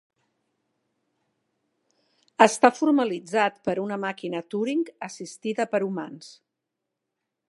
Està formalitzat per una màquina Turing assistida per humans.